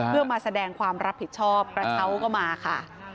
เพื่อมาแสดงความรับผิดชอบกระเช้าก็มาค่ะ